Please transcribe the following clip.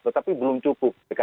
tetapi belum cukup pks dan demokrat